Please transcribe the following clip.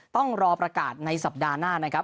ต้องรอประกาศในสัปดาห์หน้านะครับ